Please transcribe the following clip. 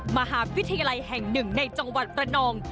มหาวิทยาลัยแห่งหนึ่งในจังหวัดระนอง